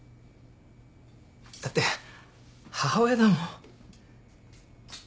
だって母親だもん。